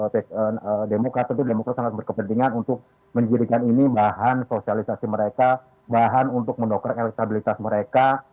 dan demokrasi itu demokrasi sangat berkepentingan untuk menjadikan ini bahan sosialisasi mereka bahan untuk mendokrak elektabilitas mereka